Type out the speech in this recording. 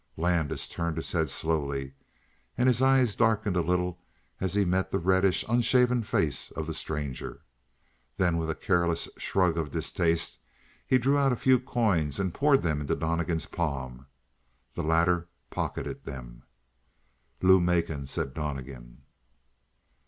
Landis turned his head slowly and his eye darkened a little as he met the reddish, unshaven face of the stranger. Then, with a careless shrug of distaste, he drew out a few coins and poured them into Donnegan's palm; the latter pocketed them. "Lou Macon," said Donnegan.